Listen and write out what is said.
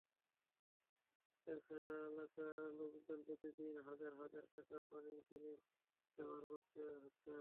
এলাকার লোকজনকে প্রতিদিন হাজার হাজার টাকার পানি কিনে ব্যবহার করতে হচ্ছে।